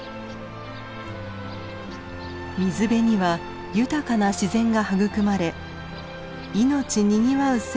水辺には豊かな自然が育まれ命にぎわう